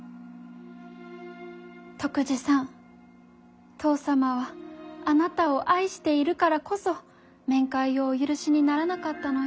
篤二さん父さまはあなたを愛しているからこそ面会をお許しにならなかったのよ。